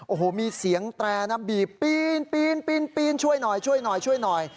โอ้โหมีเสียงแตรนะบีบปีนช่วยหน่อยช่วยหน่อยช่วยหน่อย